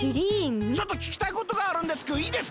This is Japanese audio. ちょっとききたいことがあるんですけどいいですか？